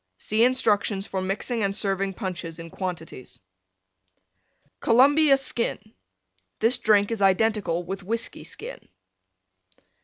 (See instructions for mixing and serving Punches in quantities.) COLUMBIA SKIN This drink is identical with Whiskey Skin.